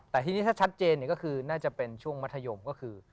แต่ทีนี้ถ้าชัดเจนก็คือน่าจะเป็นช่วงมัธยมก็คือ